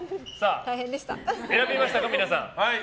選びましたか、皆さん。